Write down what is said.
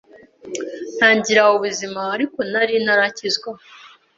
ntangira ubuzima ariko nari ntarakizwa